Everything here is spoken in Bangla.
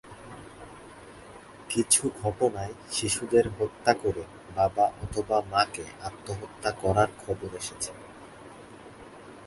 কিছু ঘটনায় শিশুদের হত্যা করে বাবা অথবা মাকে আত্মহত্যা করার খবর এসেছে।